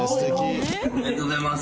おめでとうございます。